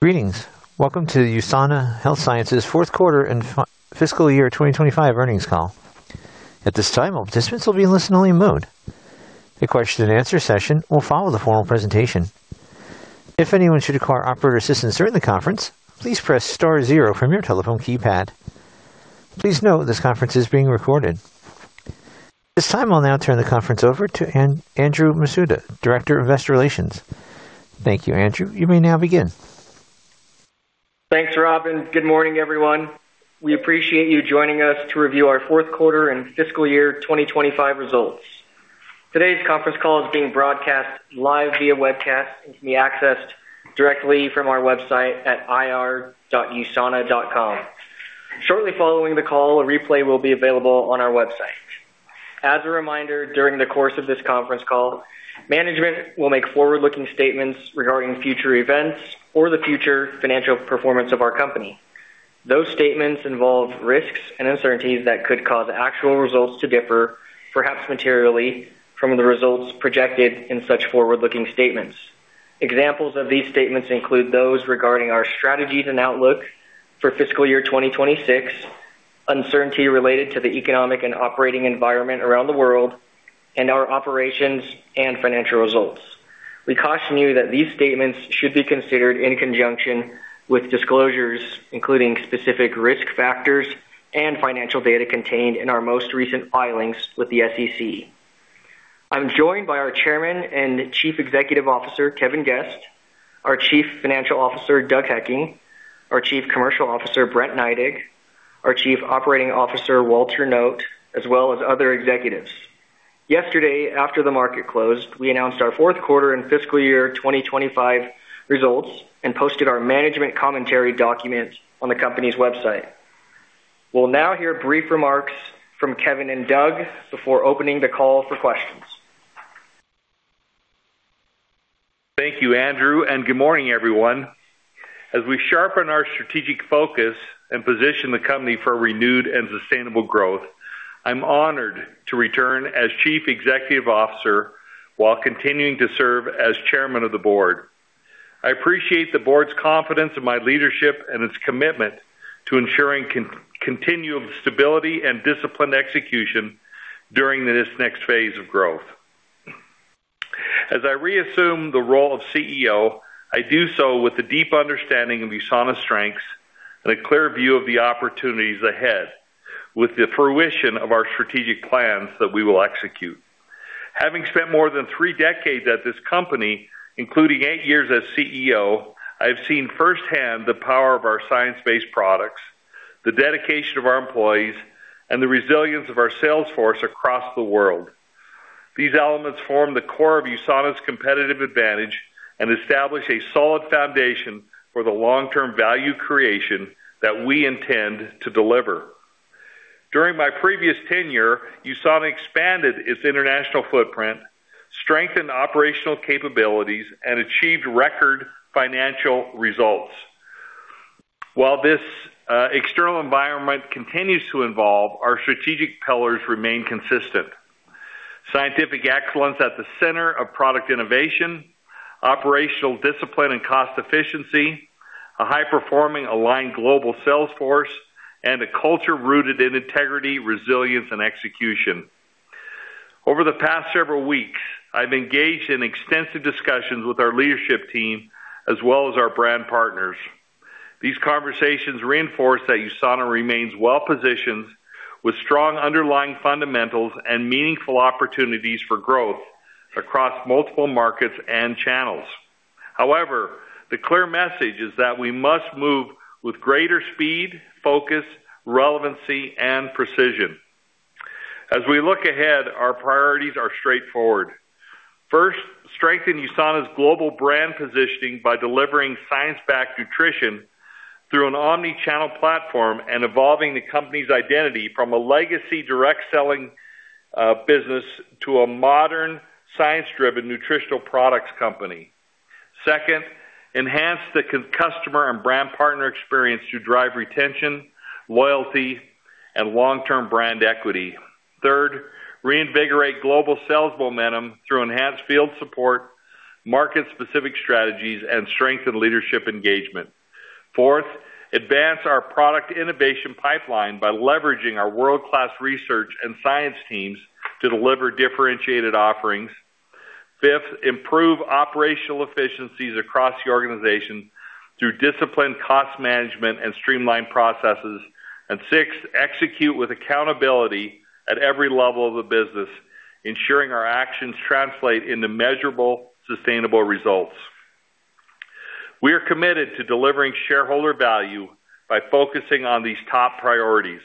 Greetings! Welcome to the USANA Health Sciences Fourth Quarter and Fiscal Year 2025 Earnings Call. At this time, all participants will be in listen-only mode. A question and answer session will follow the formal presentation. If anyone should require operator assistance during the conference, please press star zero from your telephone keypad. Please note, this conference is being recorded. This time, I'll now turn the conference over to Andrew Masuda, Director of Investor Relations. Thank you, Andrew. You may now begin. Thanks, Robin. Good morning, everyone. We appreciate you joining us to review our fourth quarter and fiscal year 2025 results. Today's conference call is being broadcast live via webcast and can be accessed directly from our website at ir.usana.com. Shortly following the call, a replay will be available on our website. As a reminder, during the course of this conference call, management will make forward-looking statements regarding future events or the future financial performance of our company. Those statements involve risks and uncertainties that could cause actual results to differ, perhaps materially, from the results projected in such forward-looking statements. Examples of these statements include those regarding our strategies and outlook for fiscal year 2026, uncertainty related to the economic and operating environment around the world, and our operations and financial results. We caution you that these statements should be considered in conjunction with disclosures, including specific risk factors and financial data contained in our most recent filings with the SEC. I'm joined by our Chairman and Chief Executive Officer, Kevin Guest, our Chief Financial Officer, Doug Hekking, our Chief Commercial Officer, Brent Neidig, our Chief Operating Officer, Walter Noot, as well as other executives. Yesterday, after the market closed, we announced our fourth quarter and fiscal year 2025 results and posted our management commentary documents on the company's website. We'll now hear brief remarks from Kevin and Doug before opening the call for questions. Thank you, Andrew, and good morning, everyone. As we sharpen our strategic focus and position the company for renewed and sustainable growth, I'm honored to return as Chief Executive Officer while continuing to serve as chairman of the board. I appreciate the board's confidence in my leadership and its commitment to ensuring continued stability and disciplined execution during this next phase of growth. As I reassume the role of CEO, I do so with a deep understanding of USANA's strengths and a clear view of the opportunities ahead, with the fruition of our strategic plans that we will execute. Having spent more than three decades at this company, including eight years as CEO, I've seen firsthand the power of our science-based products, the dedication of our employees, and the resilience of our sales force across the world. These elements form the core of USANA's competitive advantage and establish a solid foundation for the long-term value creation that we intend to deliver. During my previous tenure, USANA expanded its international footprint, strengthened operational capabilities, and achieved record financial results. While this external environment continues to evolve, our strategic pillars remain consistent. Scientific excellence at the center of product innovation, operational discipline and cost efficiency, a high-performing, aligned global sales force, and a culture rooted in integrity, resilience, and execution. Over the past several weeks, I've engaged in extensive discussions with our leadership team as well as our brand partners. These conversations reinforce that USANA remains well-positioned with strong underlying fundamentals and meaningful opportunities for growth across multiple markets and channels. However, the clear message is that we must move with greater speed, focus, relevancy, and precision. As we look ahead, our priorities are straightforward. First, strengthen USANA's global brand positioning by delivering science-backed nutrition through an Omni-channel platform and evolving the company's identity from a legacy Direct Selling business to a modern, science-driven nutritional products company. Second, enhance the customer and Brand Partner experience to drive retention, loyalty, and long-term brand equity. Third, reinvigorate global sales momentum through enhanced field support, market-specific strategies, and strengthened leadership engagement. Fourth, advance our product innovation pipeline by leveraging our world-class research and science teams to deliver differentiated offerings. Fifth, improve operational efficiencies across the organization through disciplined cost management and streamlined processes. Sixth, execute with accountability at every level of the business, ensuring our actions translate into measurable, sustainable results. We are committed to delivering shareholder value by focusing on these top priorities.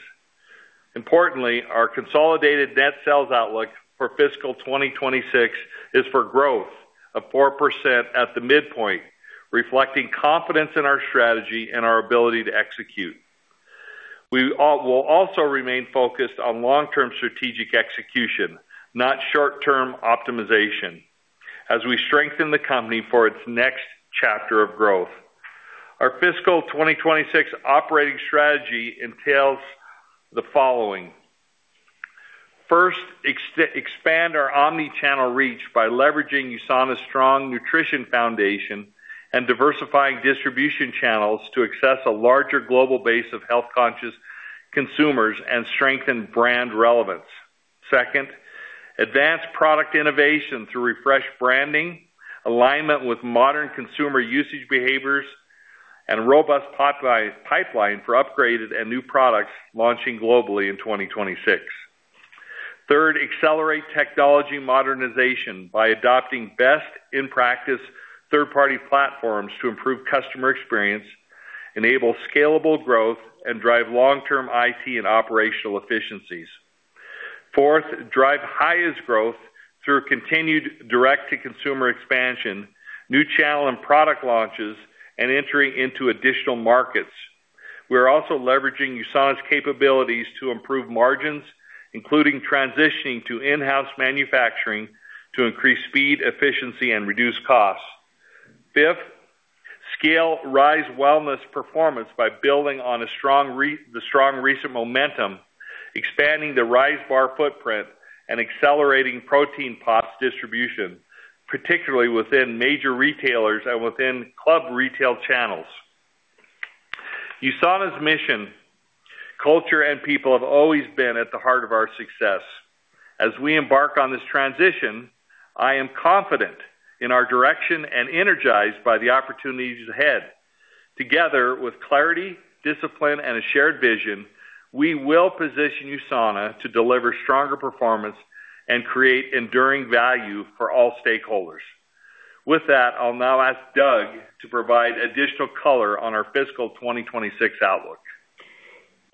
Importantly, our consolidated net sales outlook for fiscal 2026 is for growth of 4% at the midpoint, reflecting confidence in our strategy and our ability to execute. We will also remain focused on long-term strategic execution, not short-term optimization, as we strengthen the company for its next chapter of growth. Our fiscal 2026 operating strategy entails the following: First, expand our omni-channel reach by leveraging USANA's strong nutrition foundation and diversifying distribution channels to access a larger global base of health-conscious consumers and strengthen brand relevance. Second, advance product innovation through refreshed branding, alignment with modern consumer usage behaviors, and a robust pipeline for upgraded and new products launching globally in 2026. Third, accelerate technology modernization by adopting best in practice third-party platforms to improve customer experience, enable scalable growth, and drive long-term IT and operational efficiencies. Fourth, drive highest growth through continued direct-to-consumer expansion, new channel and product launches, and entering into additional markets. We're also leveraging USANA's capabilities to improve margins, including transitioning to in-house manufacturing to increase speed, efficiency, and reduce costs. Fifth, scale Rise Wellness performance by building on the strong recent momentum, expanding the Rise Bar footprint, and accelerating Protein Pops distribution, particularly within major retailers and within club retail channels. USANA's mission, culture, and people have always been at the heart of our success. As we embark on this transition, I am confident in our direction and energized by the opportunities ahead. Together, with clarity, discipline, and a shared vision, we will position USANA to deliver stronger performance and create enduring value for all stakeholders. With that, I'll now ask Doug to provide additional color on our fiscal 2026 outlook.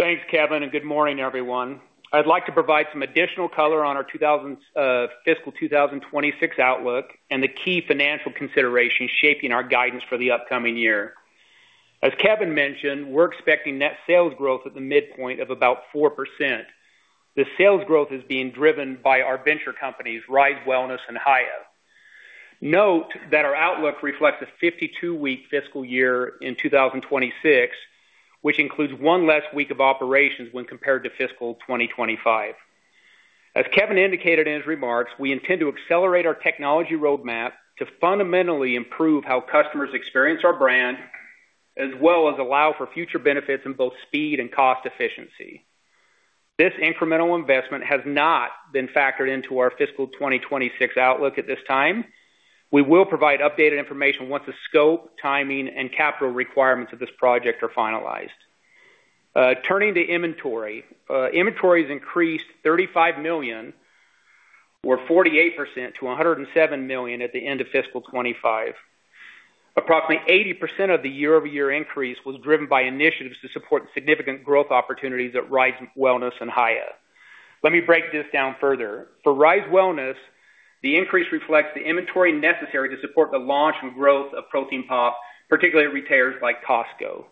Thanks, Kevin, and good morning, everyone. I'd like to provide some additional color on our fiscal 2026 outlook and the key financial considerations shaping our guidance for the upcoming year. As Kevin mentioned, we're expecting net sales growth at the midpoint of about 4%. The sales growth is being driven by our venture companies, Rise Wellness and Hiya. Note that our outlook reflects a 52-week fiscal year in 2026, which includes one less week of operations when compared to fiscal 2025. As Kevin indicated in his remarks, we intend to accelerate our technology roadmap to fundamentally improve how customers experience our brand, as well as allow for future benefits in both speed and cost efficiency. This incremental investment has not been factored into our fiscal 2026 outlook at this time. We will provide updated information once the scope, timing, and capital requirements of this project are finalized. Turning to inventory. Inventory has increased $35 million or 48% to $107 million at the end of fiscal 2025. Approximately 80% of the year-over-year increase was driven by initiatives to support significant growth opportunities at Rise Wellness and Hiya. Let me break this down further. For Rise Wellness, the increase reflects the inventory necessary to support the launch and growth of Protein Pop, particularly at retailers like Costco.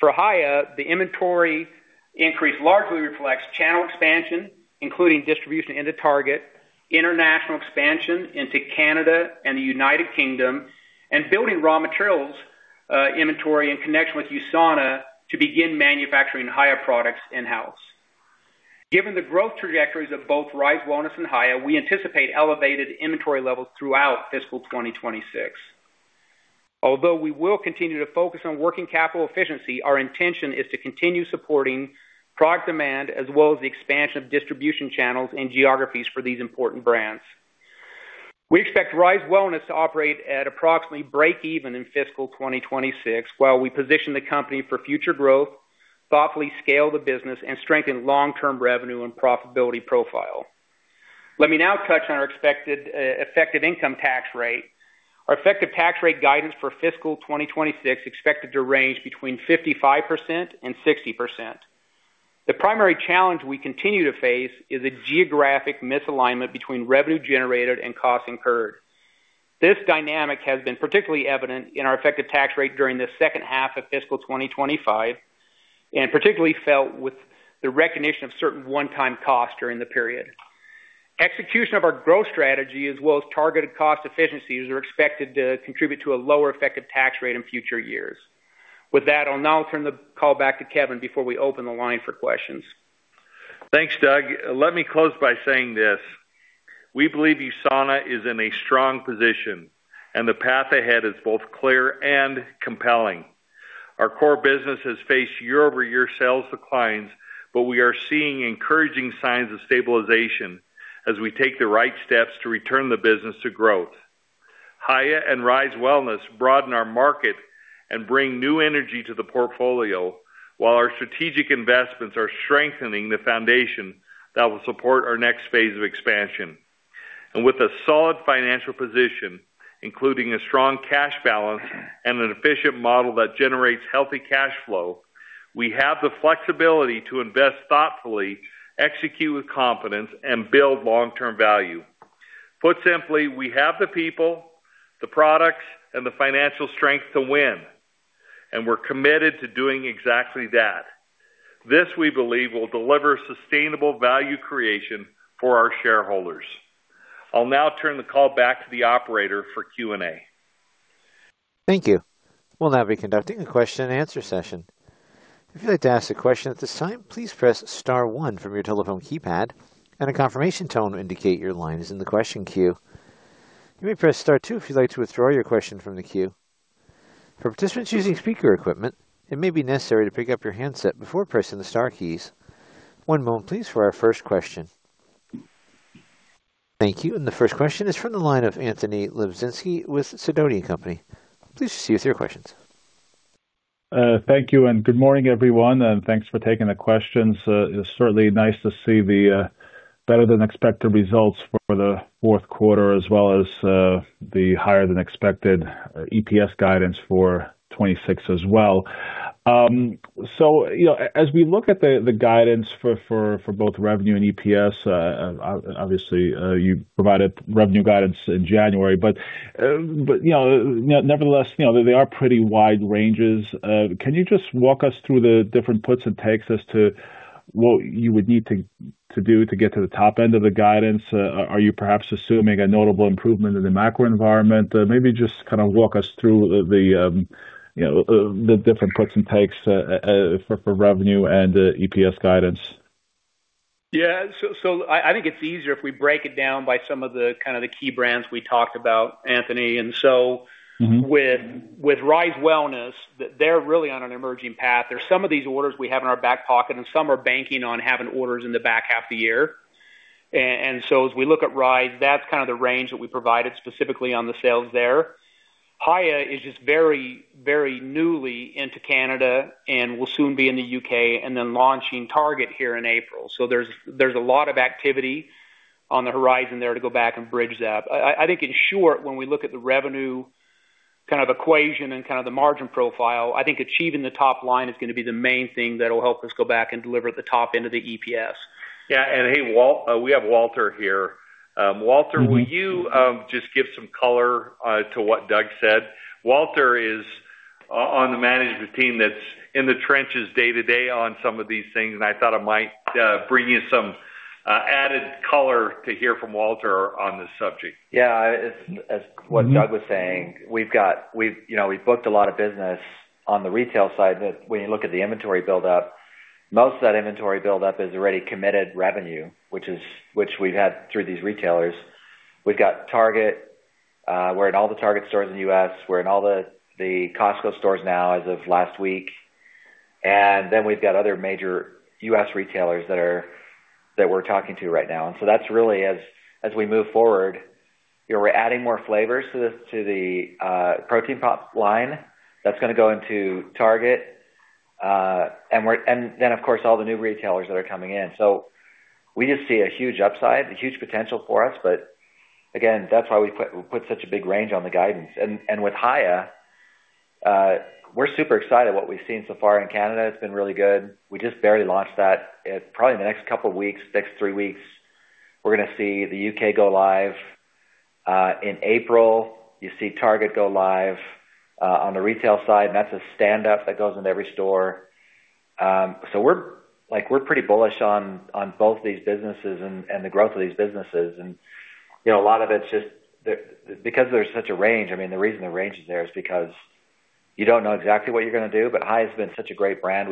For Hiya, the inventory increase largely reflects channel expansion, including distribution into Target, international expansion into Canada and the United Kingdom, and building raw materials inventory in connection with USANA to begin manufacturing Hiya products in-house. Given the growth trajectories of both Rise Wellness and Hiya, we anticipate elevated inventory levels throughout fiscal 2026. Although we will continue to focus on working capital efficiency, our intention is to continue supporting product demand, as well as the expansion of distribution channels and geographies for these important brands. We expect Rise Wellness to operate at approximately break-even in fiscal 2026, while we position the company for future growth, thoughtfully scale the business, and strengthen long-term revenue and profitability profile. Let me now touch on our expected, effective income tax rate. Our effective tax rate guidance for fiscal 2026, expected to range between 55% and 60%. The primary challenge we continue to face is a geographic misalignment between revenue generated and costs incurred. This dynamic has been particularly evident in our effective tax rate during the second half of fiscal 2025, and particularly felt with the recognition of certain one-time costs during the period. Execution of our growth strategy, as well as targeted cost efficiencies, are expected to contribute to a lower effective tax rate in future years. With that, I'll now turn the call back to Kevin before we open the line for questions. Thanks, Doug. Let me close by saying this: We believe USANA is in a strong position, and the path ahead is both clear and compelling. Our core business has faced year-over-year sales declines, but we are seeing encouraging signs of stabilization as we take the right steps to return the business to growth. Hiya and Rise Wellness broaden our market and bring new energy to the portfolio, while our strategic investments are strengthening the foundation that will support our next phase of expansion. With a solid financial position, including a strong cash balance and an efficient model that generates healthy cash flow, we have the flexibility to invest thoughtfully, execute with confidence, and build long-term value. Put simply, we have the people, the products, and the financial strength to win, and we're committed to doing exactly that. This, we believe, will deliver sustainable value creation for our shareholders. I'll now turn the call back to the operator for Q&A. Thank you. We'll now be conducting a question and answer session. If you'd like to ask a question at this time, please press star one from your telephone keypad, and a confirmation tone will indicate your line is in the question queue. You may press star two if you'd like to withdraw your question from the queue. For participants using speaker equipment, it may be necessary to pick up your handset before pressing the star keys. One moment please, for our first question. Thank you. The first question is from the line of Anthony Lebiedzinski with Sidoti & Company. Please proceed with your questions. Thank you, and good morning, everyone, and thanks for taking the questions. It's certainly nice to see the better than expected results for the fourth quarter, as well as the higher than expected EPS guidance for 2026 as well. So, you know, as we look at the guidance for both revenue and EPS, obviously you provided revenue guidance in January, but, you know, nevertheless, you know, they are pretty wide ranges. Can you just walk us through the different puts and takes as to what you would need to do to get to the top end of the guidance? Are you perhaps assuming a notable improvement in the macro environment? Maybe just kind of walk us through the, you know, the different puts and takes for revenue and EPS guidance. Yeah, so I think it's easier if we break it down by some of the kind of key brands we talked about, Anthony. Mm-hmm. And so with Rise Wellness, they're really on an emerging path. There's some of these orders we have in our back pocket, and some are banking on having orders in the back half of the year. And so as we look at Rise, that's kind of the range that we provided specifically on the sales there. Hiya is just very, very newly into Canada and will soon be in the U.K. and then launching Target here in April. So there's a lot of activity on the horizon there to go back and bridge that. I think in short, when we look at the revenue kind of equation and kind of the margin profile, I think achieving the top line is going to be the main thing that will help us go back and deliver the top end of the EPS. Hey, Walter, we have Walter here. Walter- Mm-hmm. Will you just give some color to what Doug said? Walter is on the management team that's in the trenches day-to-day on some of these things, and I thought I might bring you some added color to hear from Walter on this subject. Yeah, as what Doug was saying, we've got—we've, you know, we've booked a lot of business on the retail side, that when you look at the inventory buildup, most of that inventory buildup is already committed revenue, which we've had through these retailers. We've got Target, we're in all the Target stores in the U.S., we're in all the Costco stores now as of last week, and then we've got other major U.S. retailers that we're talking to right now. And so that's really as we move forward, you know, we're adding more flavors to the Protein Pop line that's going to go into Target. And then, of course, all the new retailers that are coming in. So we just see a huge upside, a huge potential for us. But again, that's why we put, we put such a big range on the guidance. And, and with Hiya, we're super excited what we've seen so far in Canada. It's been really good. We just barely launched that. Probably in the next couple of weeks, next three weeks, we're going to see the UK go live. In April, you see Target go live, on the retail side, and that's a standup that goes into every store. So we're, like, we're pretty bullish on, on both these businesses and, and the growth of these businesses. And, you know, a lot of it's just the... Because there's such a range, I mean, the reason the range is there is because you don't know exactly what you're going to do, but Hiya's been such a great brand.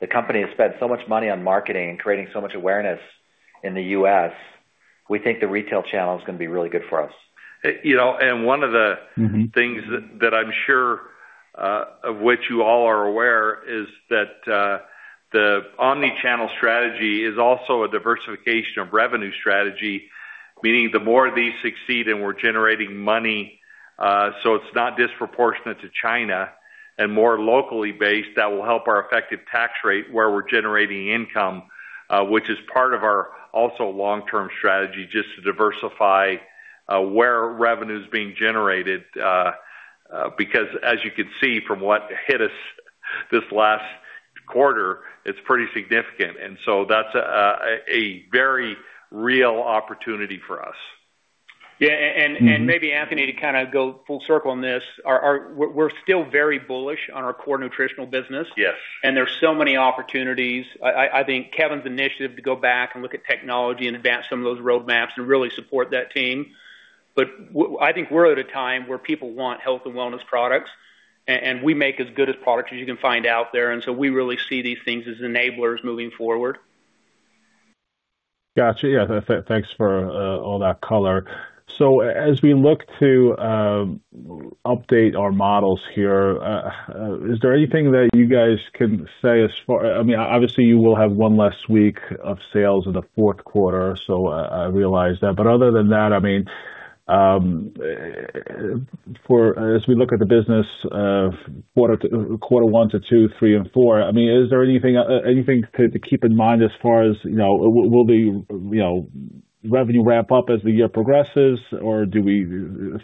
The company has spent so much money on marketing and creating so much awareness in the U.S. We think the retail channel is going to be really good for us. You know, and one of the- Mm-hmm. Things that I'm sure of which you all are aware is that the Omni-channel strategy is also a diversification of revenue strategy. Meaning, the more these succeed and we're generating money, so it's not disproportionate to China and more locally based, that will help our effective tax rate, where we're generating income, which is part of our also long-term strategy, just to diversify where revenue is being generated, because as you can see from what hit us this last quarter, it's pretty significant and that's a very real opportunity for us. Yeah, and, Mm-hmm. Maybe, Anthony, to kind of go full circle on this, we're still very bullish on our core nutritional business. Yes. There's so many opportunities. I think Kevin's initiative to go back and look at technology and advance some of those roadmaps and really support that team. But I think we're at a time where people want health and wellness products, and we make as good as products as you can find out there, and so we really see these things as enablers moving forward. Gotcha. Yeah, thanks for all that color. So as we look to update our models here, is there anything that you guys can say as far... I mean, obviously, you will have one less week of sales in the fourth quarter, so I realize that. But other than that, I mean, as we look at the business of quarter, quarter one to two, three, and four, I mean, is there anything to keep in mind as far as, you know, will the, you know, revenue ramp up as the year progresses? Or do we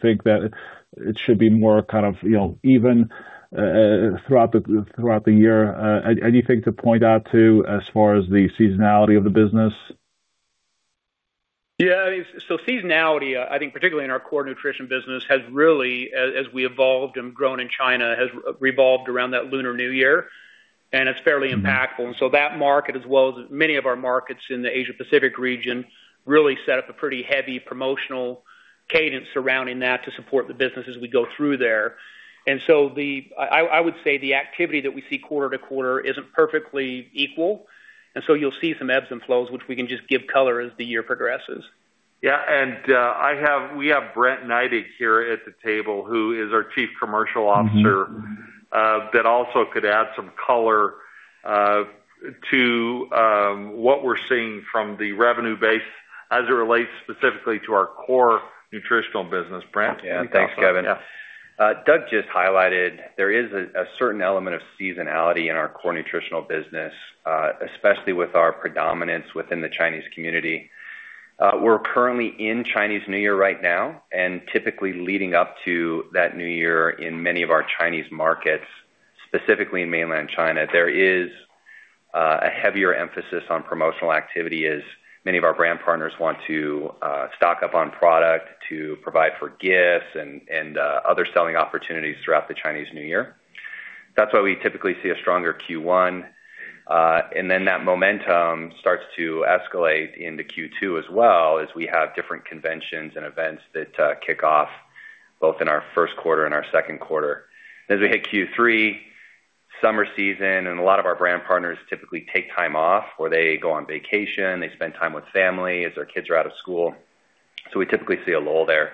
think that it should be more kind of, you know, even throughout the year? Anything to point out as far as the seasonality of the business? Yeah, I mean, so seasonality, I think particularly in our core nutrition business, has really, as we evolved and grown in China, has revolved around that Lunar New Year... and it's fairly impactful. And so that market, as well as many of our markets in the Asia Pacific region, really set up a pretty heavy promotional cadence surrounding that to support the business as we go through there. And so the, I would say, the activity that we see quarter to quarter isn't perfectly equal, and so you'll see some ebbs and flows, which we can just give color as the year progresses. Yeah, and I have, we have Brent Neidig here at the table, who is our Chief Commercial Officer that also could add some color to what we're seeing from the revenue base as it relates specifically to our core nutritional business. Brent. Yeah. Thanks, Kevin. Doug just highlighted there is a certain element of seasonality in our core nutritional business, especially with our predominance within the Chinese community. We're currently in Chinese New Year right now, and typically leading up to that New Year in many of our Chinese markets, specifically in Mainland China, there is a heavier emphasis on promotional activity, as many of our brand partners want to stock up on product to provide for gifts and other selling opportunities throughout the Chinese New Year. That's why we typically see a stronger Q1. And then that momentum starts to escalate into Q2 as well, as we have different conventions and events that kick off both in our first quarter and our second quarter. As we hit Q3, summer season, and a lot of our Brand Partners typically take time off, or they go on vacation, they spend time with family as their kids are out of school. So we typically see a lull there.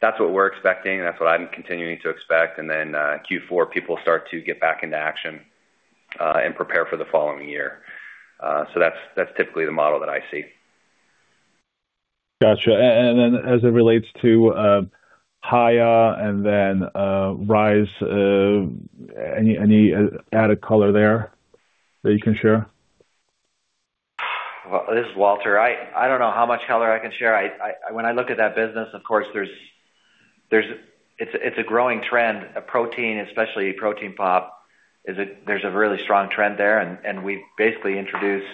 That's what we're expecting, and that's what I'm continuing to expect. And then, Q4, people start to get back into action, and prepare for the following year. So that's, that's typically the model that I see. Gotcha. And then, as it relates to Hiya and then Rise, any added color there that you can share? Well, this is Walter. I don't know how much color I can share. When I look at that business, of course, there's. It's a growing trend. A protein, especially Protein Pop, there's a really strong trend there, and we've basically introduced.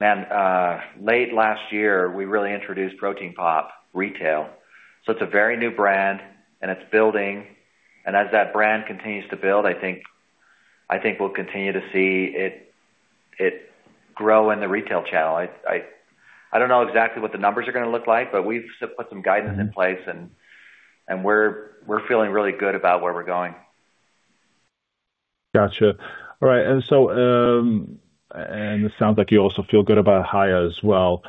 Man, late last year, we really introduced Protein Pop retail. So it's a very new brand, and it's building. And as that brand continues to build, I think we'll continue to see it grow in the retail channel. I don't know exactly what the numbers are gonna look like, but we've put some guidance in place, and we're feeling really good about where we're going. Gotcha. All right. And so, and it sounds like you also feel good about Hiya as well.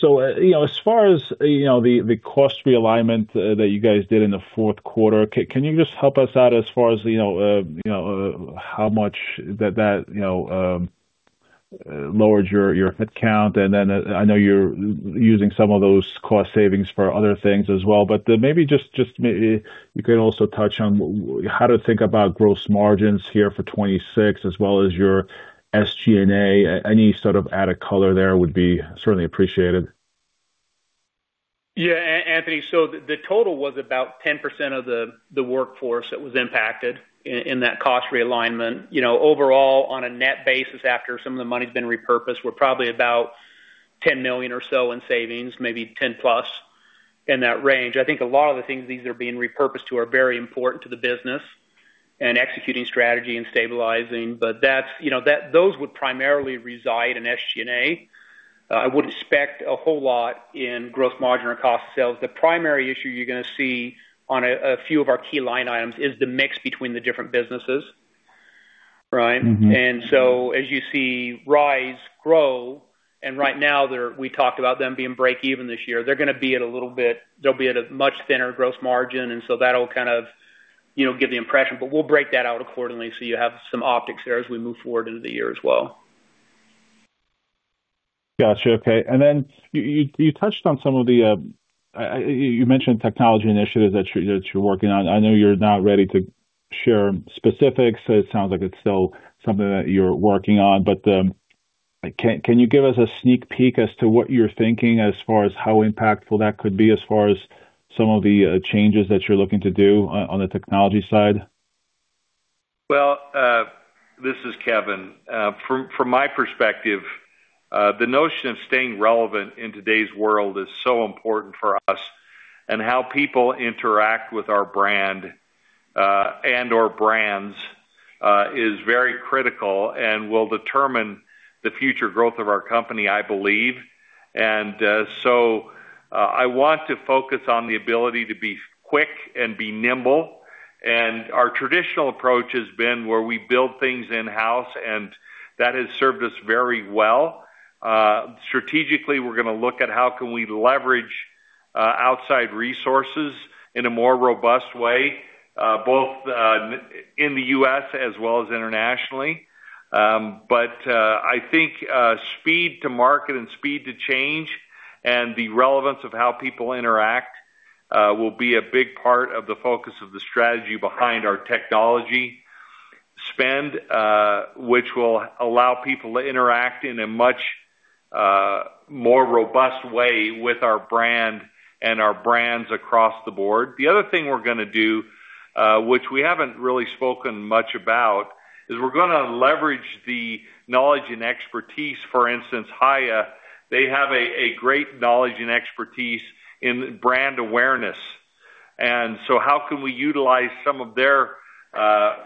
So, you know, as far as, you know, the cost realignment that you guys did in the fourth quarter, can you just help us out as far as, you know, how much that lowered your headcount? And then, I know you're using some of those cost savings for other things as well, but maybe just you can also touch on how to think about gross margins here for 2026, as well as your SG&A. Any sort of added color there would be certainly appreciated. Yeah, Anthony, so the total was about 10% of the workforce that was impacted in that cost realignment. You know, overall, on a net basis, after some of the money's been repurposed, we're probably about $10 million or so in savings, maybe $10+ million in that range. I think a lot of the things these are being repurposed to are very important to the business and executing strategy and stabilizing, but that's, you know, those would primarily reside in SG&A. I would expect a whole lot in gross margin or cost of sales. The primary issue you're gonna see on a few of our key line items is the mix between the different businesses, right? Mm-hmm. And so as you see Rise grow, and right now they're, we talked about them being break even this year. They're gonna be at a little bit. They'll be at a much thinner gross margin, and so that'll kind of, you know, give the impression. But we'll break that out accordingly, so you have some optics there as we move forward into the year as well. Gotcha. Okay. And then you, you touched on some of the, you mentioned technology initiatives that you're, that you're working on. I know you're not ready to share specifics. It sounds like it's still something that you're working on, but, can you give us a sneak peek as to what you're thinking as far as how impactful that could be, as far as some of the, changes that you're looking to do on the technology side? Well, this is Kevin. From my perspective, the notion of staying relevant in today's world is so important for us, and how people interact with our brand, and/or brands, is very critical and will determine the future growth of our company, I believe. So, I want to focus on the ability to be quick and be nimble, and our traditional approach has been where we build things in-house, and that has served us very well. Strategically, we're gonna look at how can we leverage outside resources in a more robust way, both in the U.S. as well as internationally. But, I think, speed to market and speed to change and the relevance of how people interact will be a big part of the focus of the strategy behind our technology spend, which will allow people to interact in a much more robust way with our brand and our brands across the board. The other thing we're gonna do, which we haven't really spoken much about, is we're gonna leverage the knowledge and expertise. For instance, Hiya, they have a great knowledge and expertise in brand awareness.... And so how can we utilize some of their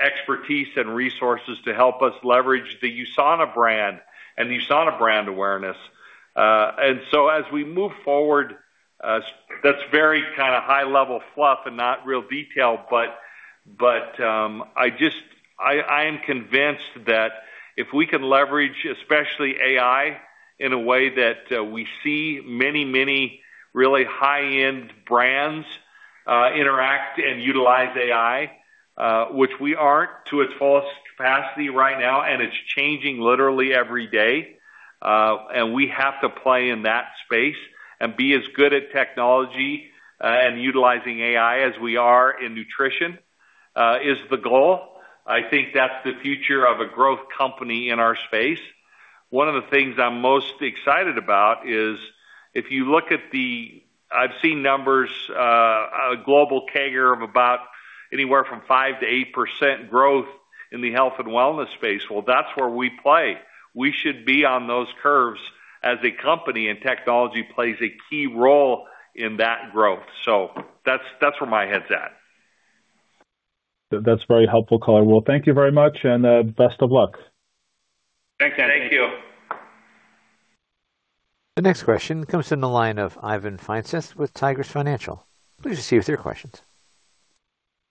expertise and resources to help us leverage the USANA brand and the USANA brand awareness? So as we move forward, that's very kind of high level fluff and not real detail, but I am convinced that if we can leverage, especially AI, in a way that we see many, many really high-end brands interact and utilize AI, which we aren't to its fullest capacity right now, and it's changing literally every day. We have to play in that space and be as good at technology and utilizing AI as we are in nutrition is the goal. I think that's the future of a growth company in our space. One of the things I'm most excited about is if you look at the... I've seen numbers, a global CAGR of about anywhere from 5%-8% growth in the health and wellness space. Well, that's where we play. We should be on those curves as a company, and technology plays a key role in that growth. So that's, that's where my head's at. That's very helpful, Colin. Well, thank you very much, and best of luck. Thanks, Andrew. Thank you. The next question comes from the line of Ivan Feinseth with Tigress Financial. Please proceed with your questions.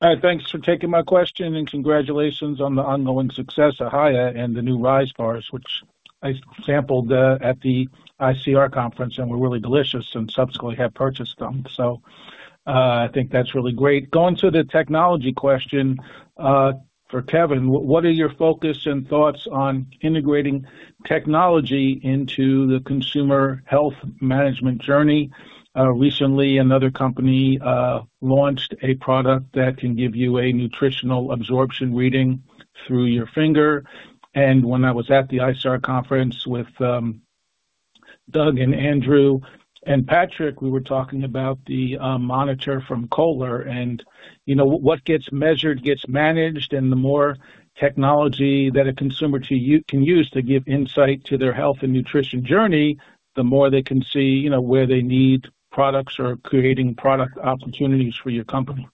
Hi, thanks for taking my question, and congratulations on the ongoing success of Hiya and the new Rise Bar which I sampled at the ICR conference and were really delicious and subsequently have purchased them. I think that's really great. Going to the technology question for Kevin, what is your focus and thoughts on integrating technology into the consumer health management journey? Recently, another company launched a product that can give you a nutritional absorption reading through your finger. When I was at the ICR conference with Doug and Andrew and Patrick, we were talking about the monitor from Kohler. You know, what gets measured gets managed, and the more technology that a consumer too can use to give insight to their health and nutrition journey, the more they can see, you know, where they need products or creating product opportunities for your company.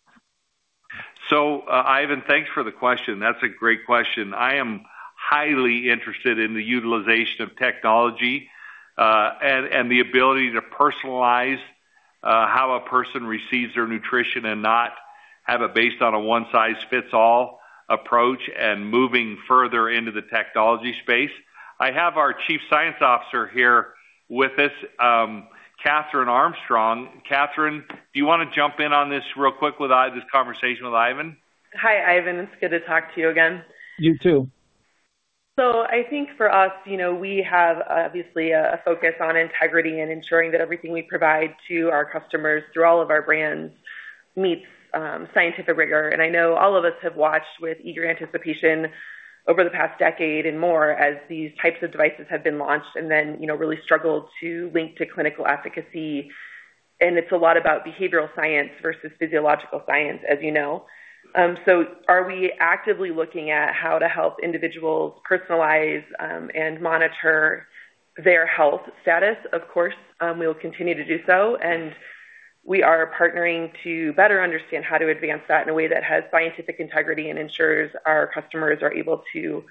So, Ivan, thanks for the question. That's a great question. I am highly interested in the utilization of technology, and, and the ability to personalize, how a person receives their nutrition and not have it based on a one-size-fits-all approach and moving further into the technology space. I have our Chief Science Officer here with us, Kathryn Armstrong. Kathryn, do you wanna jump in on this real quick with this conversation with Ivan? Hi, Ivan. It's good to talk to you again. You too. So I think for us, you know, we have obviously a focus on integrity and ensuring that everything we provide to our customers through all of our brands meets scientific rigor. I know all of us have watched with eager anticipation over the past decade and more as these types of devices have been launched and then, you know, really struggled to link to clinical efficacy. It's a lot about behavioral science versus physiological science, as you know. So are we actively looking at how to help individuals personalize and monitor their health status? Of course, we will continue to do so, and we are partnering to better understand how to advance that in a way that has scientific integrity and ensures our customers are able to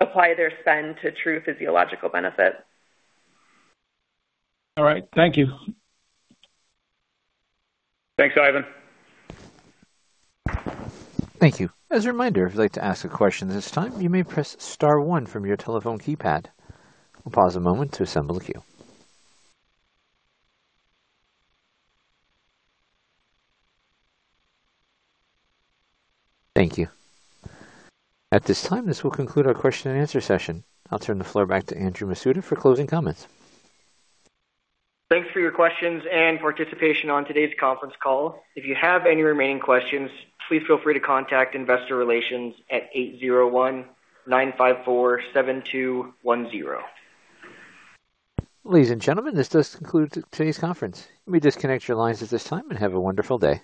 apply their spend to true physiological benefit. All right. Thank you. Thanks, Ivan. Thank you. As a reminder, if you'd like to ask a question at this time, you may press star one from your telephone keypad. We'll pause a moment to assemble the queue. Thank you. At this time, this will conclude our question and answer session. I'll turn the floor back to Andrew Masuda for closing comments. Thanks for your questions and participation on today's conference call. If you have any remaining questions, please feel free to contact Investor Relations at 801-954-7210. Ladies and gentlemen, this does conclude today's conference. You may disconnect your lines at this time and have a wonderful day.